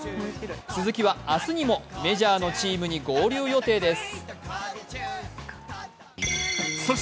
鈴木は明日にもメジャーのチームに合流予定です。